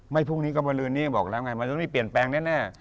พรุ่งนี้ก็มาลืนนี้บอกแล้วไงมันจะไม่เปลี่ยนแปลงแน่